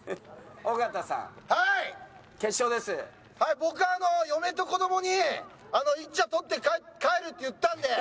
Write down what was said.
僕嫁と子供に１位を取って帰るって言ったんで。